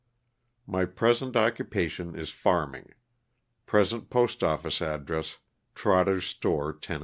My present occupation is farming. Present post office address. Trotter's Store, Tenn.